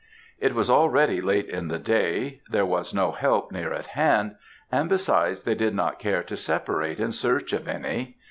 It was already late in the day; there was no help near at hand, and besides they did not dare to separate in search of any.